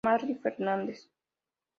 Mary Fernández.